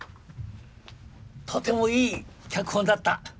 とてもいい脚本だった。